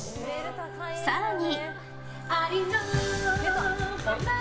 更に。